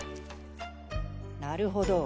なるほど。